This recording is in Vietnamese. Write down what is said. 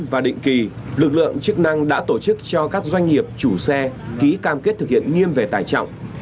và định kỳ lực lượng chức năng đã tổ chức cho các doanh nghiệp chủ xe ký cam kết thực hiện nghiêm về tài trọng